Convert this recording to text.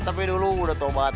tapi dulu udah tobat